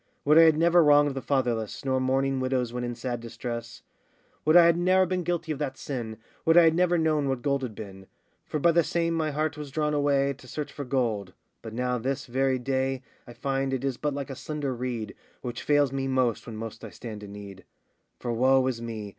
Would I had never wronged the fatherless, Nor mourning widows when in sad distress; Would I had ne'er been guilty of that sin, Would I had never known what gold had been; For by the same my heart was drawn away To search for gold: but now this very day, I find it is but like a slender reed, Which fails me most when most I stand in need; For, woe is me!